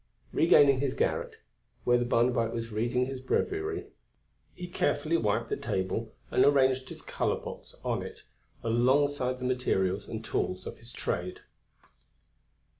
Regaining his garret, where the Barnabite was reading his breviary, he carefully wiped the table and arranged his colour box on it alongside the materials and tools of his trade.